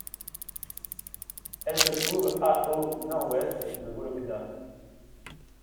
Elle se trouve à au nord-ouest de Vologda.